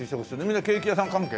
みんなケーキ屋さん関係？